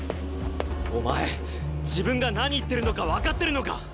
お前自分が何言ってるのか分かってるのか！？